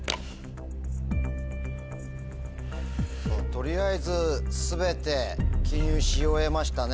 とりあえず全て記入し終えましたね。